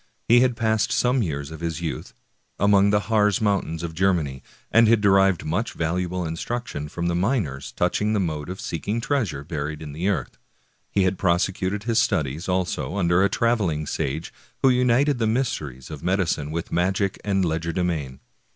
He had passed some years of his youth among the Harz ^ mountains of Germany, and had derived much valuable instruction from the miners touching the mode of seeking treasure buried in the earth. He had prosecuted his studies, also, under a traveling sage who united the mysteries of medicine with magic and legerdemain.